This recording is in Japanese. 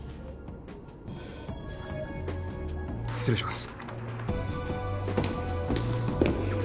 失礼します。